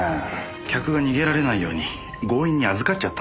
客が逃げられないように強引に預かっちゃった？